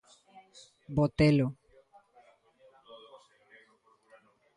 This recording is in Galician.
Botelo.